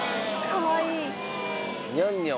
かわいい。